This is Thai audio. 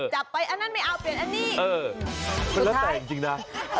จับมันเยอะเลยแหละ